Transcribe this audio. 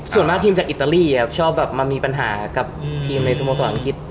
ส่วนมากทีมจากอิตาลีชอบมีปัญหากับทีมในสมุทรศาสตร์อังกฤษ